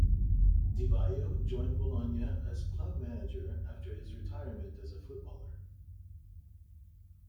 Di Vaio joined Bologna as club manager after his retirement as a footballer.